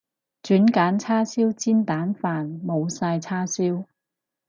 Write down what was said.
轉揀叉燒煎蛋飯，冇晒叉燒